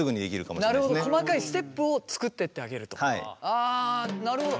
あなるほど。